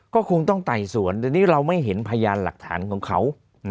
ก็คงต้องไต่สวนแต่นี่เราไม่เห็นพยานหลักฐานของเขา